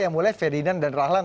yang mulai ferdinand dan rahlan